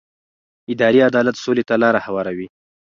اداري عدالت سولې ته لاره هواروي